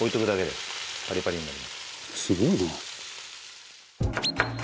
「すごいな」